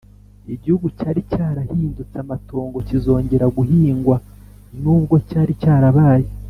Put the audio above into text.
Igihugu cyari cyarahindutse amatongo kizongera guhingwa nubwo cyari cyarabaye